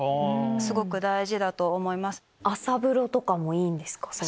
すごく大事だと思います。